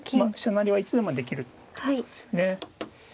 成はいつでもできるってことですよね。